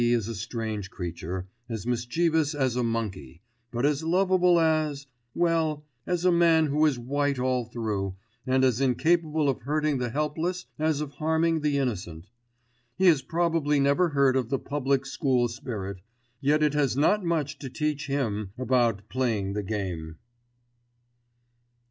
is a strange creature, as mischievous as a monkey; but as lovable as—well, as a man who is white all through, and as incapable of hurting the helpless as of harming the innocent. He has probably never heard of the Public School Spirit; yet it has not much to teach him about playing the game.